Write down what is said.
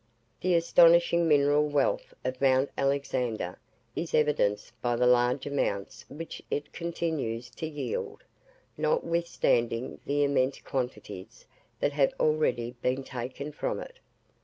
The astonishing mineral wealth of Mount Alexander is evidenced by the large amounts which it continues to yield, notwithstanding the immense quantities that have already been taken from it.